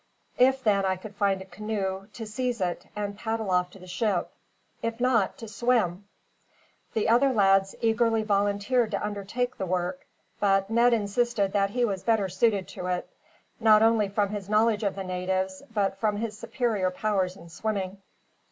If then I could find a canoe, to seize it and paddle off to the ship; if not, to swim." The other lads eagerly volunteered to undertake the work; but Ned insisted that he was better suited to it, not only from his knowledge of the natives, but from his superior powers in swimming.